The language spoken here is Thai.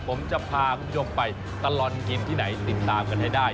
ผมจะพาคุณผู้ชมไปตลอดกินที่ไหนติดตามกันให้ได้